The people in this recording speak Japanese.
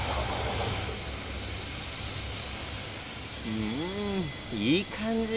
うんいいかんじ。